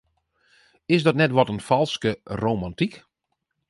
Is dat net wat in falske romantyk?